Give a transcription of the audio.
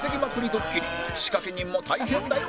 ドッキリ仕掛人も大変だよ